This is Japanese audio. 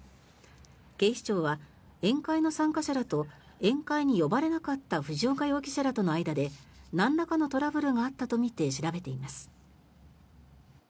警視庁は宴会の参加者らと宴会に呼ばれなかった藤岡容疑者らとの間でなんらかのトラブルがあったとみて調べています。